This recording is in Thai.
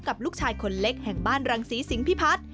กับลูกชายคนเล็กแห่งบ้านรังศรีสิงพิพัฒน์